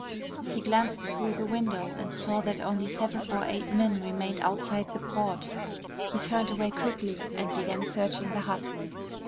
He glanced through the window and saw that only seven or eight men remained outside the port. He turned away quickly and began searching the hut.